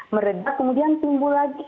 meredak kemudian tumbuh lagi